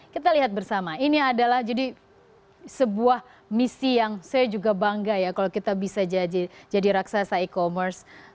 kita lihat bersama ini adalah jadi sebuah misi yang saya juga bangga ya kalau kita bisa jadi raksasa e commerce